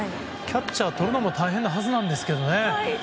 キャッチャーはとるのも大変なはずなんですけどね。